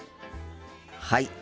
はい。